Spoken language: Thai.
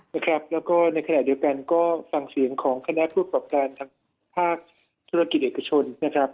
แล้วก็ในคณะเดียวกันก็ฟังเสียงของคณะทั่วประการทางภาคธุรกิจเอกชน